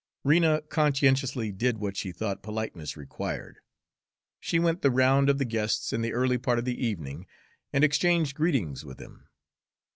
Rena conscientiously did what she thought politeness required. She went the round of the guests in the early part of the evening and exchanged greetings with them.